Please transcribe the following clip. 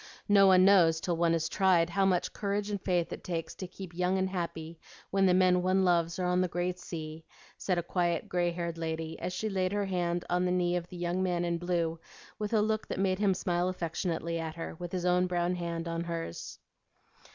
No one knows till one is tried, how much courage and faith it takes to keep young and happy when the men one loves are on the great sea," said a quiet, gray haired lady, as she laid her hand on the knee of the young man in blue with a look that made him smile affectionately at her, with his own brown hand on hers.